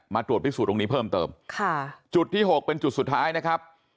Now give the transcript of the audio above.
ตรวจพิสูจนตรงนี้เพิ่มเติมค่ะจุดที่หกเป็นจุดสุดท้ายนะครับ